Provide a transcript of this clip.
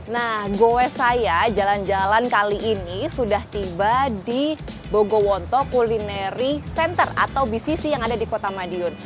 nah goes saya jalan jalan kali ini sudah tiba di bogowonto culinary center atau bcc yang ada di kota madiun